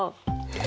え